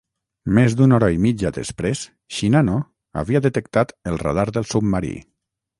Més d'una hora i mitja després, "Shinano" havia detectat el radar del submarí.